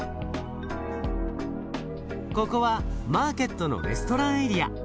ここはマーケットのレストランエリア。